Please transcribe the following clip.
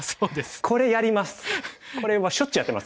これやります。